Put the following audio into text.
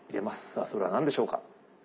さあそれは何でしょうか？